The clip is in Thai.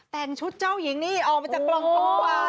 แต่งชุดเจ้าหญิงนี่ออกมาจากกล่องของหวาน